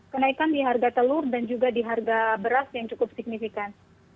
kenaikan di harga telur dan juga di harga beras yang cukup signifikan